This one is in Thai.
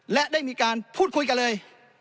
และได้มีการพูดคุยกันเลย